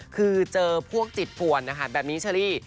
คือเจอพวกจิตป่วนนะคะแบบนี้เชอรี่